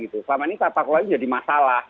selama ini tata kelola itu jadi masalah